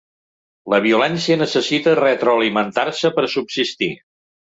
La violència necessita retroalimentar-se per subsistir.